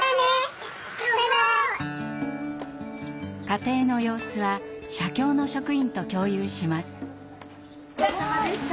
家庭の様子は社協の職員と共有します。